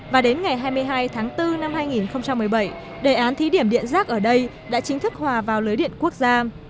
và đến ngày hai mươi hai tháng bốn năm hai nghìn một mươi bảy đề án thí điểm điện rác ở đây đã chính thức hòa vào lưới điện quốc gia